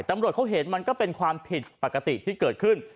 ตำรวจเขาเห็นมันก็เป็นความผิดปกติที่เกิดขึ้น